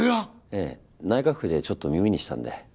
ええ内閣府でちょっと耳にしたんで。